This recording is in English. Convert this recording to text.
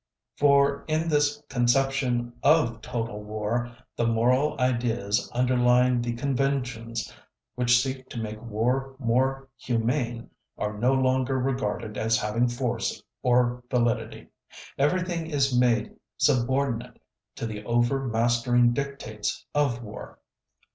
For in this conception of "total war", the moral ideas underlying the conventions which seek to make war more humane are no longer regarded as having force or validity. Everything is made subordinate to the overmastering dictates of war.